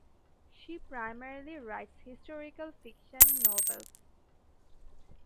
She primarily writes historical fiction novels.